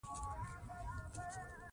ازادي راډیو د ټولنیز بدلون ته پام اړولی.